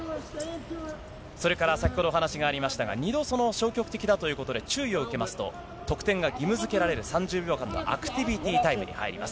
それから先ほどお話がありましたが、２度、その消極的だということで、注意を受けますと、得点が義務づけられる３０秒間のアクティビティタイムに入ります。